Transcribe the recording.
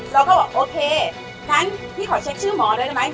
เราก็บอกโอเคงั้นพี่ขอเช็คชื่อหมอเลยได้ไหม